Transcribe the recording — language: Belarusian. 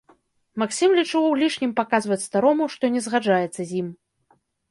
Максім лічыў лішнім паказваць старому, што не згаджаецца з ім.